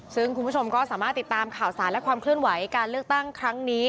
ซึ่งคุณผู้ชมก็สามารถติดตามข่าวสารและความเคลื่อนไหวการเลือกตั้งครั้งนี้